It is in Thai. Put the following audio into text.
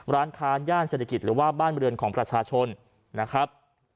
ร้านค้าย่านเศรษฐกิจหรือว่าบ้านบริเวณของประชาชนนะครับ